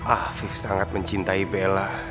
afif sangat mencintai bella